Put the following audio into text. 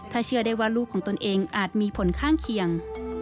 ถ้าเชื่อได้ว่าลูกของตนเองอาจมีผลข้างเคียง